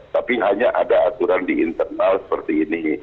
tapi hanya ada aturan di internal seperti ini